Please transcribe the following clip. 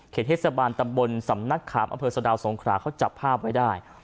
เทศบาลตำบลสำนักขามอำเภอสะดาวสงขราเขาจับภาพไว้ได้